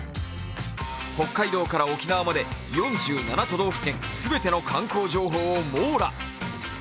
北海道から沖縄まで、４７都道府県全ての観光情報を網羅。